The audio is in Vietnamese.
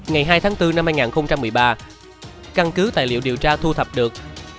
ngày hai tháng bốn năm hai nghìn một mươi ba căn cứ tài liệu điều tra thu thập được